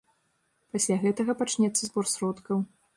Пасля гэтага пачнецца збор сродкаў.